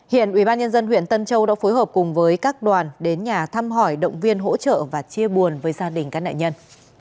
hiện ubnd huyện tân châu đã phối hợp cùng với các đoàn đến nhà thăm hỏi động viên hỗ trợ và chia buồn với gia đình các nạn nhân